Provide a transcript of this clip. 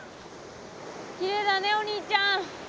きれいだねお兄ちゃん。